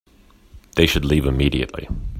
They should leave immediately.